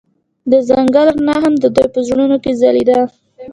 د ځنګل رڼا هم د دوی په زړونو کې ځلېده.